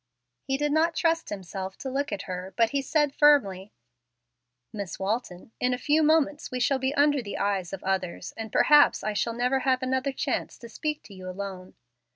He did not trust himself to look at her, but he said, firmly, "Miss Walton, in a few moments we shall be under the eyes of others, and perhaps I shall never have another chance to speak to you alone.